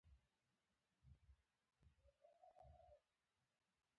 هغه د سوداګریزو اړیکو د دوام لپاره هم هڅه وکړه او بریالی شو.